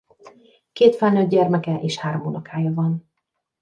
Két felnőtt gyermeke és három unokája van.